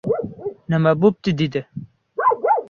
— Nima bo‘pti? — dedi.